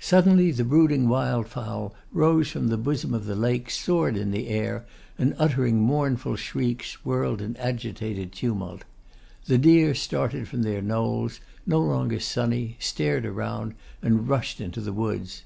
Suddenly the brooding wildfowl rose from the bosom of the lake, soared in the air, and, uttering mournful shrieks, whirled in agitated tumult. The deer started from their knolls, no longer sunny, stared around, and rushed into the woods.